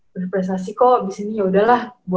berprestasi kok habis ini yaudahlah